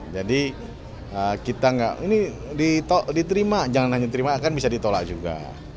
jadi kita tidak ini diterima jangan hanya diterima akan bisa ditolak juga